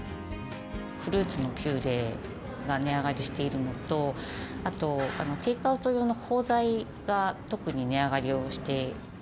フルーツのピューレが値上がりしているのと、あと、テイクアウト用の包材が特に値上がりをして。